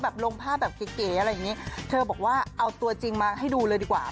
ลงภาพแบบเก๋อะไรอย่างนี้เธอบอกว่าเอาตัวจริงมาให้ดูเลยดีกว่า